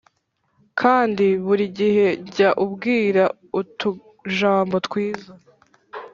kandi buri gihe jya umubwira utujambo twiza.